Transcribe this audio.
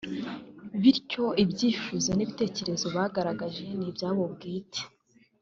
bityo ibyifuzo n’ibitekerezo bagaragaje ni ibya bo bwite